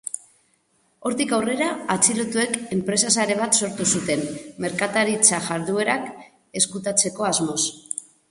Hortik aurrera, atxilotuek enpresa-sare bat sortu zuten, merkataritza-jarduerak ezkutatzeko asmoz.